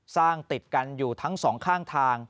สร้างติดกันอยู่ทั้ง๒ข้างทาง